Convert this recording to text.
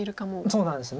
そうなんです。